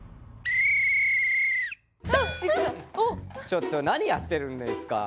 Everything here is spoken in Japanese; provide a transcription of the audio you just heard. ちょっと何やってるんですか？